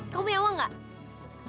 kamu mau uang gak